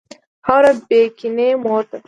خاوره بېکینه مور ده.